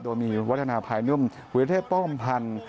โดยมีวัฒนาภายนุ่มวิรเทพป้อมพันธ์